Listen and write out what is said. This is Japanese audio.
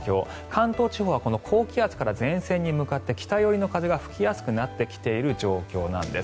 関東地方はこの高気圧から前線に向かって北寄りの風が吹きやすくなってきている状況なんです。